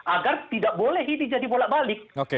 agar tidak boleh ini jadi bolak balik